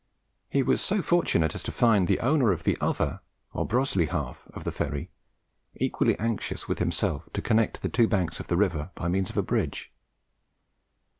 He was so fortunate as to find the owner of the other or Broseley half of the ferry equally anxious with himself to connect the two banks of the river by means of a bridge.